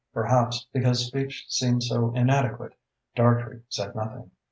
Perhaps because speech seemed so inadequate, Dartrey said nothing.